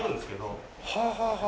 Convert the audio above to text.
はあはあはあはあ。